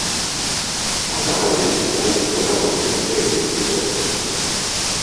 Alabaren gizonak duela bost urte utzi zuen.